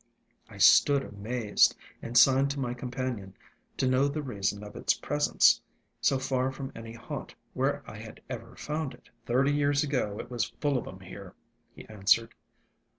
I stood amazed, and signed to my companion to know the reason of its presence so far from any haunt where I had ever found it. "Thirty years ago it was full of 'em here," he answered.